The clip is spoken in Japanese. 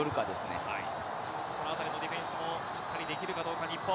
このあたりのディフェンスもしっかりできるかどうか、日本。